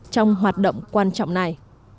trong hoạt động quan trọng này